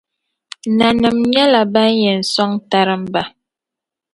Nanima nyɛla ban yɛn sɔŋ tarimba .